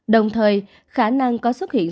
đồng thời khả năng có xuất hiện